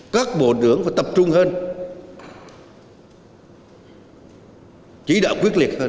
các bộ trưởng phải tập trung hơn chỉ đạo quyết liệt hơn